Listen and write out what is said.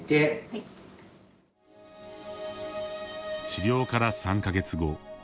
治療から３か月後。